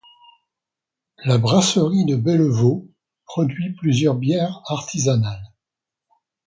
La brasserie de Bellevaux produit plusieurs bières artisanales.